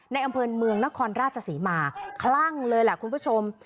อำเภอเมืองนครราชศรีมาคลั่งเลยแหละคุณผู้ชม